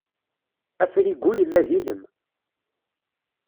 Afrigu yella d ilem.